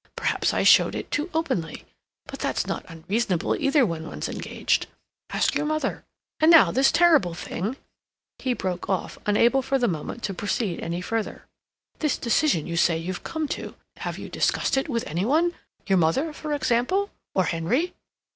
Perhaps I showed it too openly. But that's not unreasonable either when one's engaged. Ask your mother. And now this terrible thing—" He broke off, unable for the moment to proceed any further. "This decision you say you've come to—have you discussed it with any one? Your mother, for example, or Henry?"